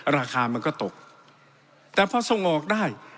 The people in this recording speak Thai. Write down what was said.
ราคามันก็ตกแต่พอส่งออกได้